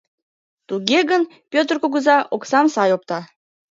Туге гын, Пӧтыр кугыза оксам сай опта.